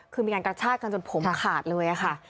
คือมีการกระชากกันจนผมขาดเลยค่ะ